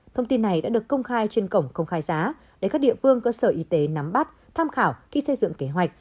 thông tin này đã được công khai trên cổng công khai giá để các địa phương cơ sở y tế nắm bắt tham khảo khi xây dựng kế hoạch